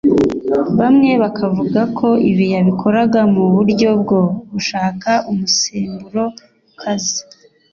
bamwe bakavuga ko ibi yabikoraga mu buryo bwo gushaka umusemburo ukaze